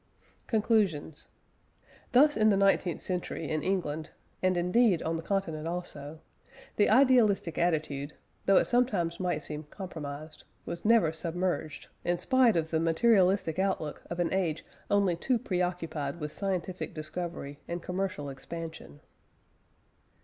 CONCLUSIONS. Thus in the nineteenth century, in England (and indeed on the continent also) the idealistic attitude, though it sometimes might seem compromised, was never submerged; in spite of the materialistic outlook of an age only too preoccupied with scientific discovery and commercial expansion.